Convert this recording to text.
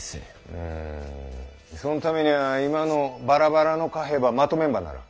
うんそんためには今のバラバラの貨幣ばまとめんばならん。